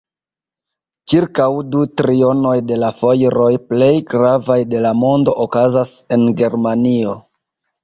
Ĉirkaŭ du trionoj de la fojroj plej gravaj de la mondo okazas en Germanio.